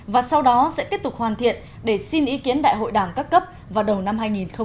và sau đó sẽ tiếp tục hoàn thiện để xin ý kiến đại hội đảng các cấp vào đầu năm hai nghìn hai mươi